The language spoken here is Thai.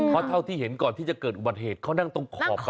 เพราะเท่าที่เห็นก่อนที่จะเกิดอุบัติเหตุเขานั่งตรงขอบ